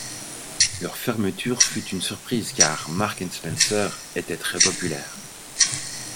Leur fermeture fut une surprise car Marks & Spencer était très populaire.